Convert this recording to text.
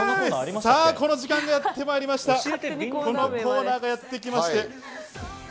さあ、この時間がやってまいりました。